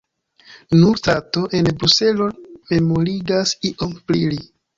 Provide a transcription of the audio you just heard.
Nur strato en Bruselo memorigas iom pri li.